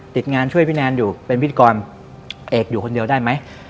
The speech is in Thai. ติดงานช่วยพี่แนนอยู่เป็นพิธีกรเอกอยู่คนเดียวได้ไหม